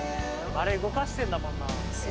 あれ動かしてんだもんな。